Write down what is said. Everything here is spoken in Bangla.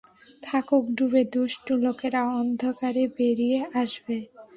থাকুক ডুবে দুষ্ট লোকেরা অন্ধকারে বেরিয়ে আসবে?